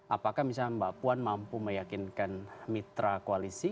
apakah misalnya mbak puan mampu meyakinkan mitra koalisi